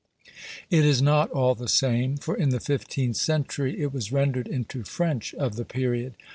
It is not all the same, for in the fifteenth century it was rendered into French of the period.